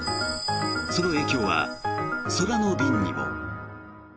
その影響は空の便にも。